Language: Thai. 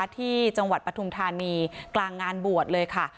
ที่จังหวัดปฐุมธานีกลางงานบวชเลยค่ะ